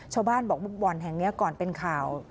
ชาวบ้านบอกว่าบ่อนแห่งนี้ก่อนเป็นข่าว